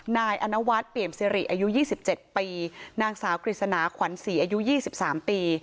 นายอันวาสเปรียมสิริอายุยี่สิบเจ็ดปีนางสาวกฤษณาขวัญศรีอายุยี่สิบสามปี